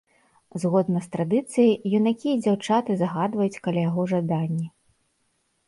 Згодна з традыцыяй, юнакі і дзяўчаты загадваюць каля яго жаданні.